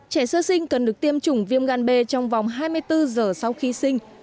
trẻ sơ sinh cần được tiêm chủng viêm gan b trong vòng hai mươi bốn giờ sau khi sinh